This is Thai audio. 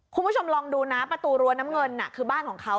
คุณผู้ชมลองดูนะประตูรั้วน้ำเงินน่ะคือบ้านของเขา